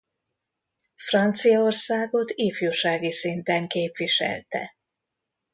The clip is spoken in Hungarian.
Franciaországot ifjúsági szinten képviselte.